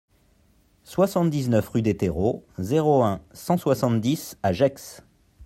soixante-dix-neuf rue des Terreaux, zéro un, cent soixante-dix à Gex